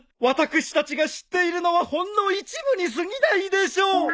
私たちが知っているのはほんの一部にすぎないでしょう！